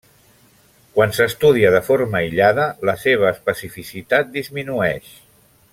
Quan s'estudia de forma aïllada, la seva especificitat disminueix.